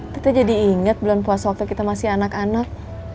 kita jadi ingat bulan puasa waktu kita masih anak anak